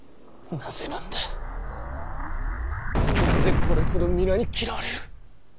なぜこれほど皆に嫌われる？